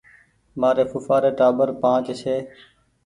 مآري ڦوڦآ ري ٽآٻر پآنچ ڇي